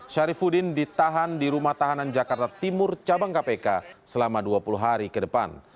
syarifudin ditahan di rumah tahanan jakarta timur cabang kpk selama dua puluh hari ke depan